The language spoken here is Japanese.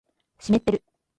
湿ってる